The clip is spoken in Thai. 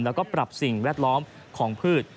แล้วก็ปรับสิ่งแวดล้อมของพืช